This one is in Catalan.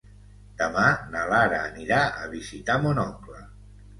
Demà na Lara anirà a visitar mon oncle.